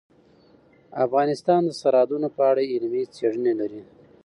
افغانستان د سرحدونه په اړه علمي څېړنې لري.